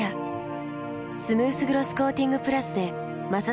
スムースグロスコーティングプラスで摩擦ダメージも低減。